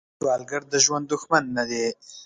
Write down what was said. سوالګر د ژوند دښمن نه دی